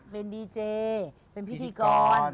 เป็นดีเจเป็นพิธีกร